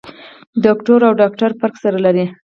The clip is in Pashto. دوکتور او ډاکټر فرق سره لري.